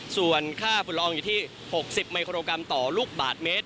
ส่วนค่าฝุ่นลองอยู่ที่๖๐มิโครกรัมต่อลูกบาทเมตร